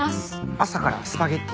朝からスパゲティ？